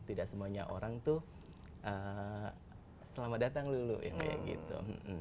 tidak semuanya orang tuh selamat datang dulu yang kayak gitu